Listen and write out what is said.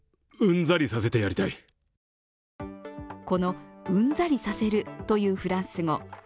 この、うんざりさせるというフランス語。